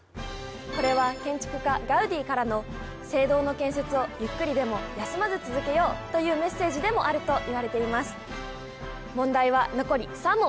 これは建築家ガウディからの「聖堂の建設をゆっくりでも休まず続けよう」というメッセージでもあるといわれています